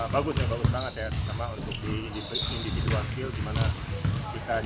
pengalaman baru yang benar benar bikin banyak pengalaman datang